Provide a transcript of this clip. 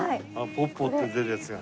ぽっぽって出るやつが？